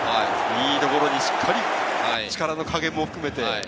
いいところにしっかり力の加減も含めて。